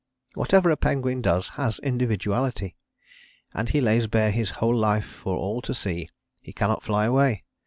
Whatever a penguin does has individuality, and he lays bare his whole life for all to see. He cannot fly away.